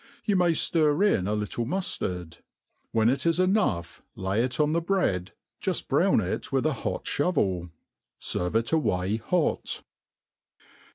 You may ftir in a little muftard ; when it is enough lay it on the breads }uft brown it"' with a hot OioveL Serve it away hot.